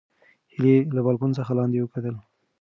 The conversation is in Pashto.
هیلې له بالکن څخه لاندې وکتل.